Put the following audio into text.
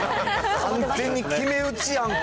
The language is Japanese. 完全に決め打ちやんか。